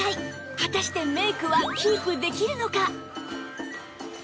果たしてメイクはキープできるのか？